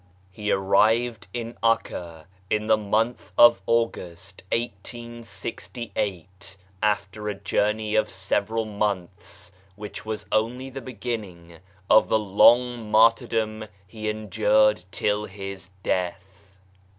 He arrived in 'Akka in the month of August 1868, after a journey of several months, which was only the beginning of the long martyrdom he endured till his death.